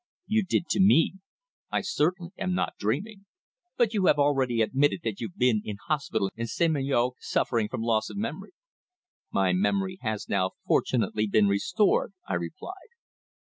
"You did to me. I certainly am not dreaming." "But you have already admitted that you've been in hospital in St. Malo suffering from loss of memory." "My memory has now fortunately been restored," I replied.